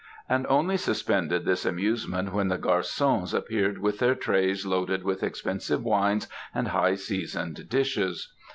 And only suspended this amusement when the garçons appeared with their trays loaded with expensive wines and high seasoned dishes.